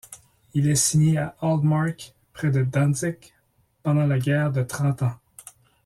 Il est signé à Altmark, près de Dantzig, pendant la guerre de Trente Ans.